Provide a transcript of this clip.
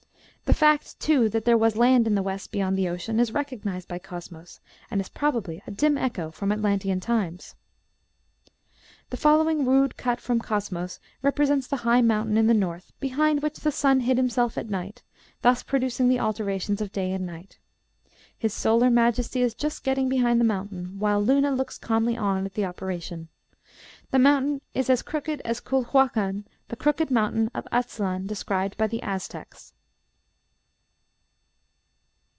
The fact, too, that there was land in the west beyond the ocean is recognized by Cosmos, and is probably a dim echo from Atlantean times. MAP OF EUROPE, AFTER COSMOS The following rude cut, from Cosmos, represents the high mountain in the north behind which the sun hid himself at night, thus producing the alternations of day and night. His solar majesty is just getting behind the mountain, while Luna looks calmly on at the operation. The mountain is as crooked as Culhuacan, the crooked mountain of Atzlan described by the Aztecs.